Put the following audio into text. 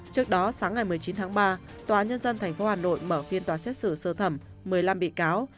trước đó sáng ngày một mươi chín tháng ba tòa nhân dân tp hà nội mở phiên tòa xét xử sơ thẩm một mươi năm bị cáo